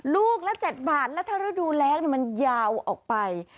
ลูกละ๗บาทแล้วถ้าฤดูแรงมันยาวออกไป